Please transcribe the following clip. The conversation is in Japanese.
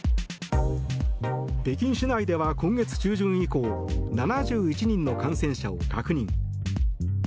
北京市内では今月中旬以降７１人の感染者を確認。